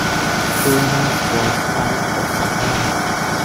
Turunen's voice type is soprano.